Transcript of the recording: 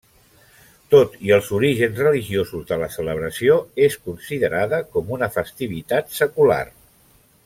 Tot i els orígens religiosos de la celebració, és considerada com una festivitat secular.